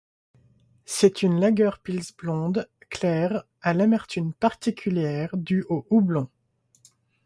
C'est une lager pils blonde claire à l'amertume particulière, due au houblon.